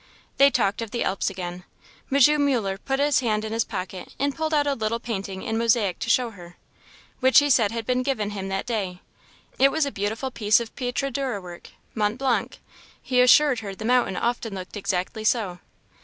They talked of the Alps again. M. Muller put his hand in his pocket and pulled out a little painting in mosaic to show her, which he said had been given him that day. It was a beautiful piece of pietra dura work Mont Blanc. He assured her the mountain often looked exactly so.